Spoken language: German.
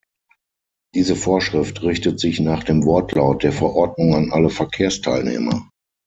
Diese Vorschrift richtet sich nach dem Wortlaut der Verordnung an alle Verkehrsteilnehmer.